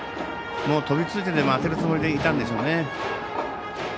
飛びついてでも当てるつもりでいたんでしょうね。